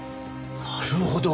なるほど。